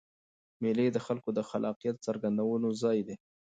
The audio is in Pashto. مېلې د خلکو د خلاقیت څرګندولو ځایونه دي.